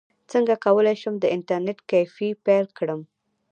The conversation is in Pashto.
څنګه کولی شم د انټرنیټ کیفې پیل کړم